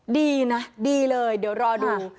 ดีนะดีเลยเดี๋ยวรอดู